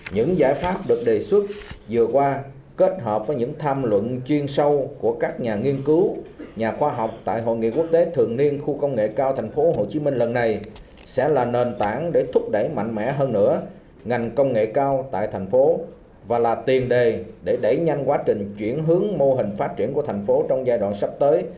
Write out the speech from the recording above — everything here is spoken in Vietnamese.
những giải pháp được đề xuất vừa qua kết hợp với những tham luận chuyên sâu của các nhà nghiên cứu nhà khoa học tại hội nghị quốc tế thường niên khu công nghệ cao tp hcm lần này sẽ là nền tảng để thúc đẩy mạnh mẽ hơn nữa ngành công nghệ cao tại thành phố và là tiền đề để đẩy nhanh quá trình chuyển hướng mô hình phát triển của thành phố trong giai đoạn sắp tới